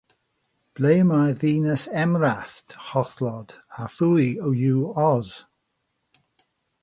Ble mae'r Ddinas Emrallt? holodd; "a phwy yw Oz?"